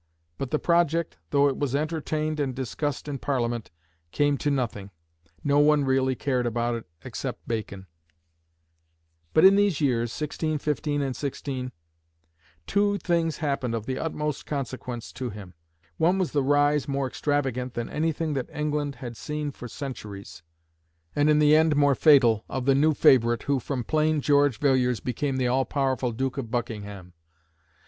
But the project, though it was entertained and discussed in Parliament, came to nothing. No one really cared about it except Bacon. But in these years (1615 and 1616) two things happened of the utmost consequence to him. One was the rise, more extravagant than anything that England had seen for centuries, and in the end more fatal, of the new favourite, who from plain George Villiers became the all powerful Duke of Buckingham.